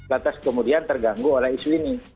lantas kemudian terganggu oleh isu ini